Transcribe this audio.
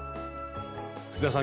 月田さん